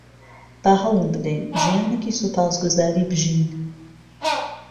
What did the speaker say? با هەوڵ بدەین ژیانێکی سوپاسگوزاری بژین.